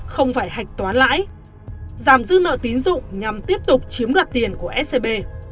không phải hạch toán lãi giảm dư nợ tín dụng nhằm tiếp tục chiếm đoạt tiền của scb